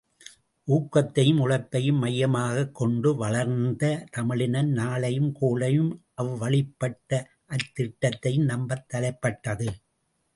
ஊக்கத்தையும் உழைப்பையும் மையமாகக் கொண்டு வளர்ந்த தமிழினம், நாளையும் கோளையும் அவ்வழிப்பட்ட அத் திட்டத்தையும் நம்பத் தலைப்பட்டது.